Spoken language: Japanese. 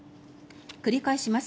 繰り返します。